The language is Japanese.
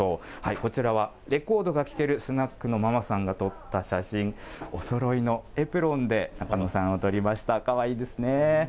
こちらはレコードが聞けるスナックのママさんが撮った写真、おそろいのエプロンでナカノさんを撮りました、かわいいですね。